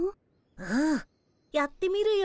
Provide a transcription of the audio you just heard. うんやってみるよ。